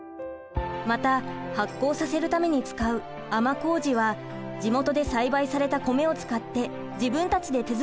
また発酵させるために使う甘こうじは地元で栽培された米を使って自分たちで手作りしました。